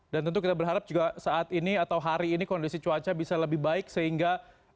dan tentu kita berharap juga saat ini atau hari ini kondisi cuaca bisa lebih baik sehingga